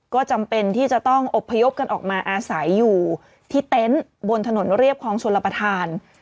ก็จำเป็นที่จะต้องอบพยพกันออกมาอาศัยอยู่ที่เต็นต์บนถนนเรียบคลองชลประธาน